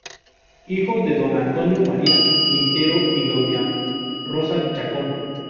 Hijo de Don Antonio María Quintero y de Doña Rosa Chacón.